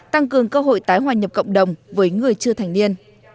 tăng cường cơ hội tái hòa nhập cộng đồng với người chưa thành niên